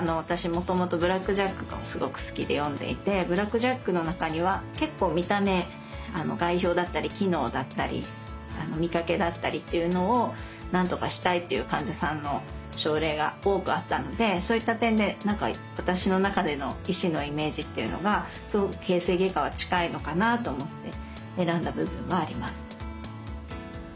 もともと「ブラック・ジャック」がすごく好きで読んでいて「ブラック・ジャック」の中には結構見た目外傷だったり機能だったり見かけだったりっていうのを何とかしたいっていう患者さんの症例が多くあったのでそういった点で何か私の中での医師のイメージっていうのが形成外科は近いのかなと思って選んだ部分はあります。